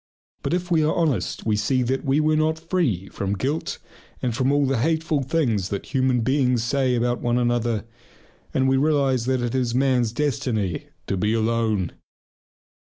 But if we are honest we see that we were not free from guilt and from all the hateful things that human beings say about one another, and we realize that it is man's destiny to be alone.